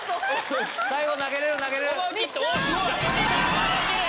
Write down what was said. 最後投げれる投げれる！